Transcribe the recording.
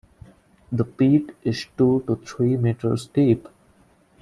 The peat is two to three metres deep.